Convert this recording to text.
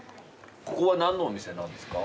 ここは何のお店なんですか？